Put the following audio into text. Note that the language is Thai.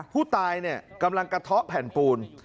ผู้ตายกำลังกระเทาะแผ่นปูน